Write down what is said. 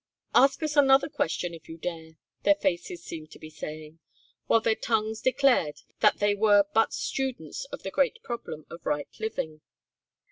"Ask us another question if you dare," their faces seemed to be saying, while their tongues declared that they were but students of the great problem of right living.